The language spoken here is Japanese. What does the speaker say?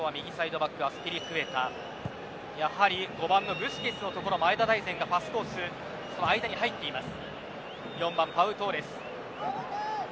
５番のブスケツのところに前田大然がパスコースの間に入っています。